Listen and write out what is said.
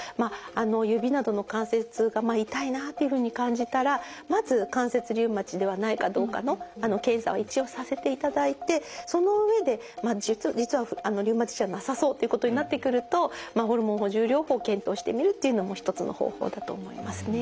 指などの関節が痛いなっていうふうに感じたらまず関節リウマチではないかどうかの検査を一応させていただいてその上で実はリウマチじゃなさそうっていうことになってくるとホルモン補充療法を検討してみるっていうのも一つの方法だと思いますね。